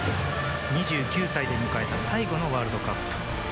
２９歳で迎えた最後のワールドカップ。